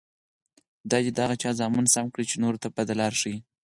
خدای دې د هغه چا زامن سم کړي، چې نورو ته بده لار ښیي.